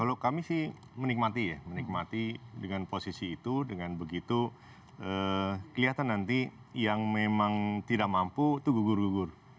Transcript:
kalau kami sih menikmati ya menikmati dengan posisi itu dengan begitu kelihatan nanti yang memang tidak mampu itu gugur gugur